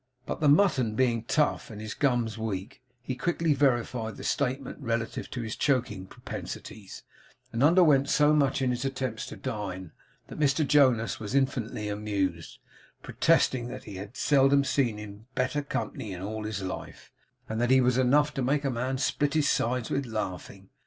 But the mutton being tough, and his gums weak, he quickly verified the statement relative to his choking propensities, and underwent so much in his attempts to dine, that Mr Jonas was infinitely amused; protesting that he had seldom seen him better company in all his life, and that he was enough to make a man split his sides with laughing.